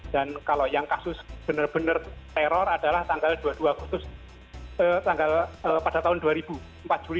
dan kalau yang kasus benar benar teror adalah tanggal dua puluh dua agustus pada tahun dua ribu empat juli dua ribu